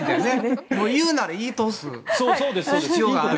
言うなら言い通す必要がある。